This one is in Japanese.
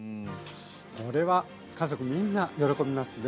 これは家族みんな喜びますね。